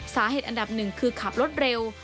สาเหตุอันดับหนึ่งคือขับรถเร็ว